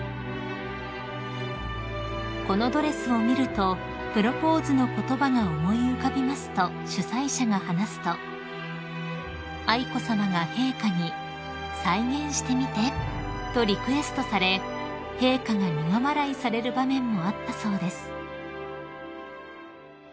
［「このドレスを見るとプロポーズの言葉が思い浮かびます」と主催者が話すと愛子さまが陛下に「再現してみて」とリクエストされ陛下が苦笑いされる場面もあったそうです］